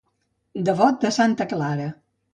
Devot de santa Clara.